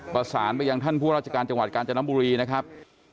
ประสานไปยังท่านผู้ราชการจังหวัดกาญจนบุรีนะครับ